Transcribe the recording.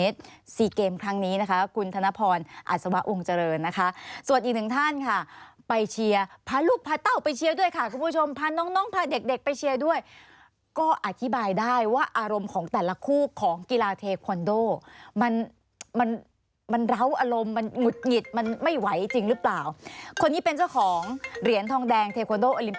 คุณธนพรอัศวะวงเจริญนะคะส่วนอีกหนึ่งท่านค่ะไปเชียร์พาลูกพาเต้าไปเชียร์ด้วยค่ะคุณผู้ชมพาน้องน้องพาเด็กเด็กไปเชียร์ด้วยก็อธิบายได้ว่าอารมณ์ของแต่ละคู่ของกีฬาเทคอนโดมันมันเล้าอารมณ์มันหงุดหงิดมันไม่ไหวจริงหรือเปล่าคนนี้เป็นเจ้าของเหรียญทองแดงเทคอนโดอลิม